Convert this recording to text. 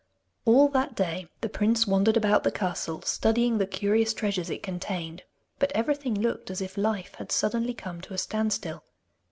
All that day the prince wandered about the castle, studying the curious treasures it contained, but everything looked as if life had suddenly come to a standstill.